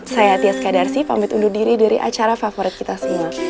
saya athias kadarsi pamit undur diri dari acara favorit kita semua